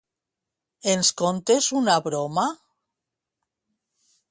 Ens contes una broma?